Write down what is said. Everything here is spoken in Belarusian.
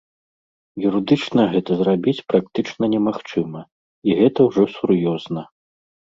Юрыдычна гэта зрабіць практычна немагчыма, і гэта ўжо сур'ёзна.